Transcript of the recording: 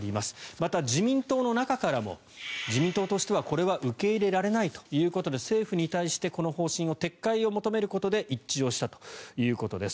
また、自民党の中からも自民党としてはこれは受け入れられないということで政府に対してこの方針を撤回を求めることで一致したということです。